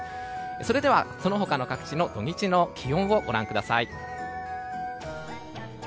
それでは、その他の各地の土日の気温をご覧ください。